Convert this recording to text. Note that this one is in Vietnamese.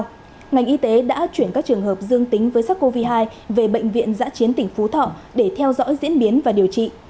trước đó ngành y tế đã chuyển các trường hợp dương tính với sars cov hai về bệnh viện giã chiến tỉnh phú thọ để theo dõi diễn biến và điều trị